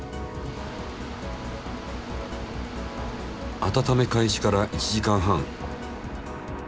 あたため開始から１時間半。